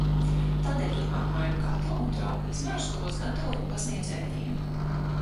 Tādēļ turpmāk mainu katlu un trauku izmērus, kuros gatavoju un pasniedzu ēdienu.